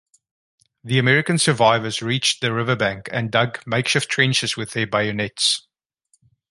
The American survivors reached the river bank and dug makeshift trenches with their bayonets.